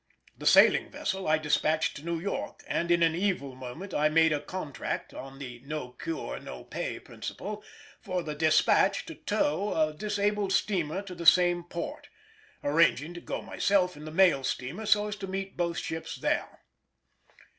The sailing vessel I despatched to New York, and in an evil moment I made a contract, on the "no cure no pay" principle, for the Despatch to tow a disabled steamer to the same port, arranging to go myself in the mail steamer so as to meet both ships there.